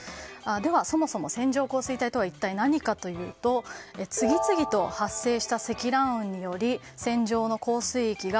では、そもそも線状降水帯とは一体何かというと次々と発生した積乱雲により線上の降水域が